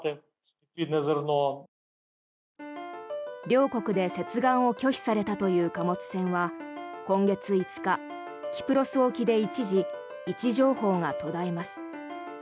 両国で接岸を拒否されたという貨物船は今月５日、キプロス沖で一時、位置情報が途絶えます。